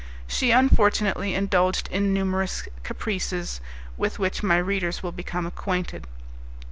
She unfortunately indulged in numerous caprices with which my readers will become acquainted.